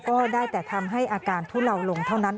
ก็ได้แต่ทำให้อาการทุเลาลงเท่านั้น